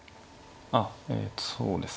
えっとそうですね。